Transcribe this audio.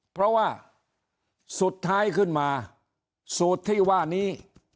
เพราะว่าสุดท้ายขึ้นมาสูตรที่ว่านี้